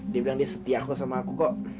dia bilang dia setiaku sama aku kok